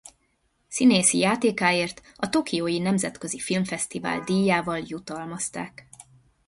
Színészi játékáért a Tokiói nemzetközi Filmfesztivál díjával jutalmazták.